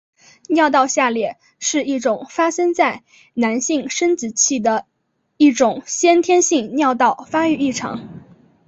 尿道下裂是一种发生在男性生殖器的一种先天性尿道发育异常。